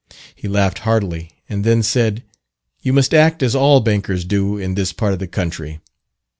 He laughed heartily, and then said, "You must act as all bankers do in this part of the country."